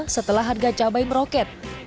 setelah harga cabai meroket